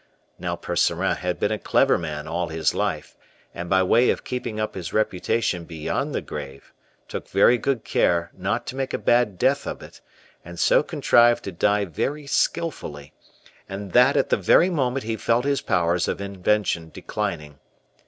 Now Percerin had been a clever man all his life, and by way of keeping up his reputation beyond the grave, took very good care not to make a bad death of it, and so contrived to die very skillfully; and that at the very moment he felt his powers of invention declining.